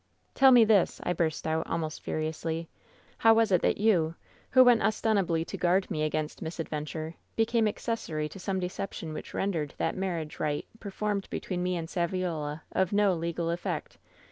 " ^Tell me this 1' I burst out, almost furiously. 'How was it that you, who went ostensibly to guard me against misadventure, became accessory to some deception which rendered that marriage rite performed between me and Saviola of no l^al effect